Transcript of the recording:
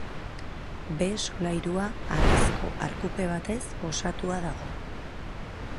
Behe-solairua harrizko arkupe batez osatua dago.